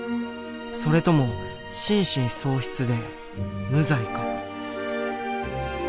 それとも心神喪失で無罪か？